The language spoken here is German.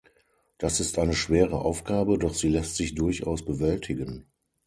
Das ist eine schwere Aufgabe, doch sie lässt sich durchaus bewältigen.